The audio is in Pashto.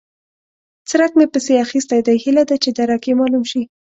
څرک مې پسې اخيستی دی؛ هيله ده چې درک يې مالوم شي.